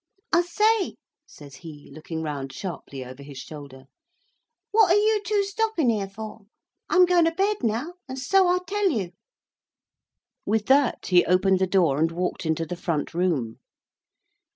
"I say," says he, looking round sharply over his shoulder, "what are you two stopping here for? I'm going to bed now—and so I tell you!" With that, he opened the door, and walked into the front room.